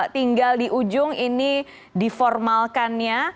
tinggal di ujung ini diformalkannya